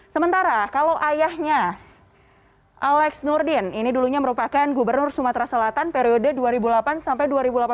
sementara kalau ayahnya alex nurdin ini dulunya merupakan gubernur sumatera selatan periode dua ribu delapan sampai dua ribu delapan belas